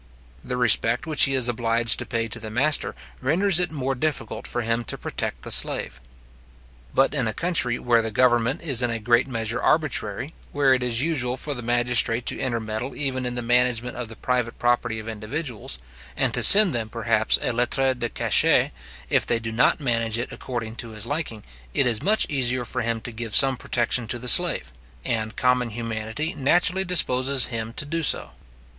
The respect which he is obliged to pay to the master, renders it more difficult for him to protect the slave. But in a country where the government is in a great measure arbitrary, where it is usual for the magistrate to intermeddle even in the management of the private property of individuals, and to send them, perhaps, a lettre de cachet, if they do not manage it according to his liking, it is much easier for him to give some protection to the slave; and common humanity naturally disposes him to do so.